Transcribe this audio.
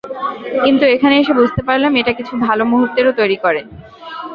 কিন্তু এখানে এসে, বুঝতে পারলাম এটা কিছু ভালো মূহুর্তেরও তৈরি করে।